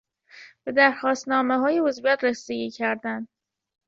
به درخواستنامههای عضویت رسیدگی کردن